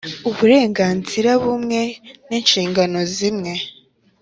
Uburenganzira bumwe n ishingano zimwe